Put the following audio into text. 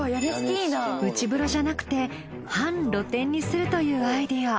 内風呂じゃなくて半露天にするというアイデア。